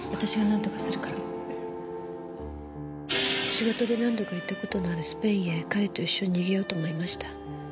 仕事で何度か行った事のあるスペインへ彼と一緒に逃げようと思いました。